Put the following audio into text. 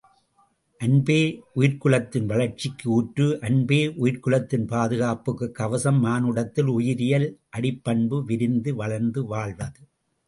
அன்பே உயிர்க்குலத்தின் வளர்ச்சிக்கு ஊற்று அன்பே உயிர்க்குலத்தின் பாதுகாப்புக் கவசம், மானுடத்தில் உயிரியல் அடிப்பண்பு விரிந்து, வளர்ந்து வாழ்வது.